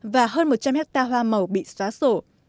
và hơn một trăm linh hectare hoa màu bị xóa sổ